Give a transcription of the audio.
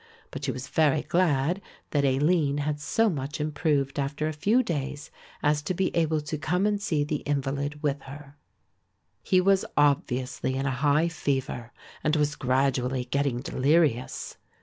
But she was very glad that Aline had so much improved after a few days as to be able to come and see the invalid with her. He was obviously in a high fever and was gradually getting delirious.